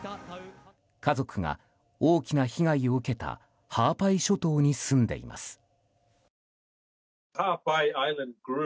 家族が大きな被害を受けたハアパイ諸島に住んでいます。